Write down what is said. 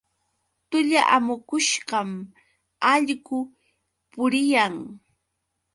Tulla amukushqam allqu puriyan.